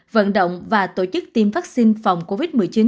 vận động và tổ chức tiêm vaccine phòng covid một mươi chín